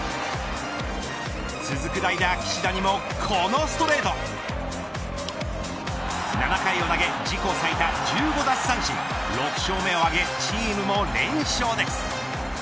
続く代打岸田にもこのストレート７回を投げ、自己最多１５奪三振６勝目を挙げチームも連勝です。